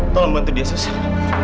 tolong bantu dia sustar